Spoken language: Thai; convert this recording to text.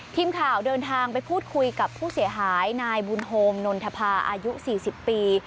ทีมข่าวเดินทางไปพูดคุยกับผู้เสียหายนายบุญโฮมนนทภาอายุ๔๐ปี